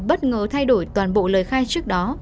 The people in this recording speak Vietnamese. bất ngờ thay đổi toàn bộ lời khai trước đó